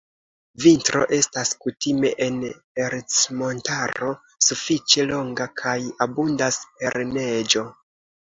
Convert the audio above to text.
Vintro estas kutime en Ercmontaro sufiĉe longa kaj abundas per neĝo.